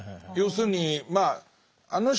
要するにまあ